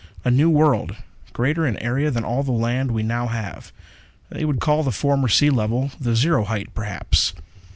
A new world, greater in area than all the land we now have. They would call the former sea level the zero height, perhaps.